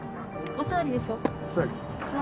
お座りでしょ。